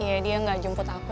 iya dia gak jemput aku